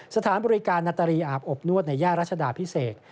สถานบริการนาตรีอาบอบนวดในย่ารัชดาพิเศษ